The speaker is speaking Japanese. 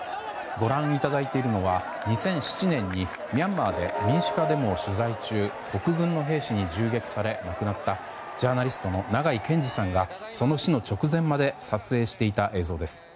ご覧いただいているのは２００７年にミャンマーで民主化デモを取材中国軍の兵士に銃撃され亡くなったジャーナリストの長井健司さんがその死の直前まで撮影していた映像です。